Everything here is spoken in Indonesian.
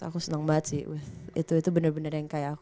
aku seneng banget sih itu bener bener yang kayak